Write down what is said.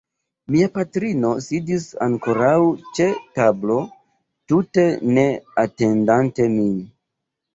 Mia patrino sidis ankoraŭ ĉe tablo tute ne atendante min.